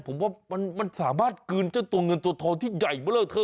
ผมว่ามันสามารถกืนเจ้าเงินทั่วท้องที่ใหญ่แบบเลอเทอร์